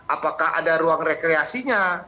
apakah ada ruang rekreasinya